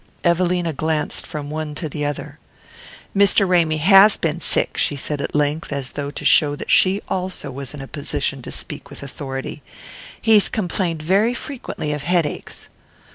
Evelina glanced from one to the other. "Mr. Ramy HAS been sick," she said at length, as though to show that she also was in a position to speak with authority. "He's complained very frequently of headaches."